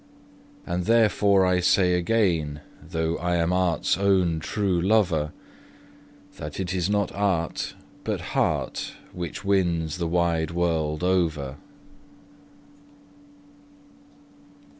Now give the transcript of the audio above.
And therefore I say again, though I am art's own true lover, That it is not art, but heart, which wins the wide world over.